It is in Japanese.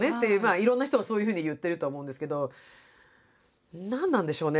いろんな人がそういうふうに言ってるとは思うんですけど何なんでしょうね